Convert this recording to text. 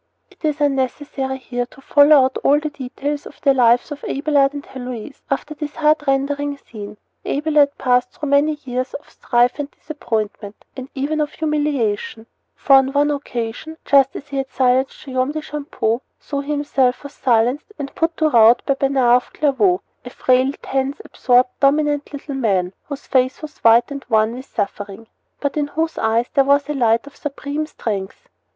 It is unnecessary here to follow out all the details of the lives of Abelard and Heloise after this heart rendering scene. Abelard passed through many years of strife and disappointment, and even of humiliation; for on one occasion, just as he had silenced Guillaume de Champeaux, so he himself was silenced and put to rout by Bernard of Clairvaux "a frail, tense, absorbed, dominant little man, whose face was white and worn with suffering," but in whose eyes there was a light of supreme strength.